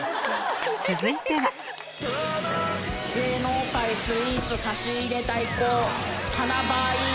続いては芸能界スイーツ差し入れ代行。